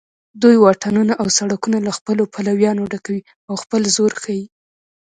دوی واټونه او سړکونه له خپلو پلویانو ډکوي او خپل زور ښیي